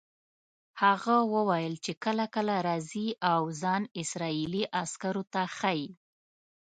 هغه وویل چې کله کله راځي او ځان اسرائیلي عسکرو ته ښیي.